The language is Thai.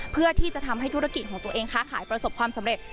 เพื่อที่จะทำให้ธุรกิจของตัวเองค้าขายประสบความสำเร็จ